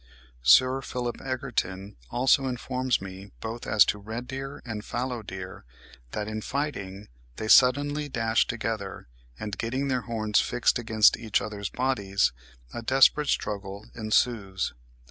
Sir Philip Egerton also informs me both as to red deer and fallow deer that, in fighting, they suddenly dash together, and getting their horns fixed against each other's bodies, a desperate struggle ensues.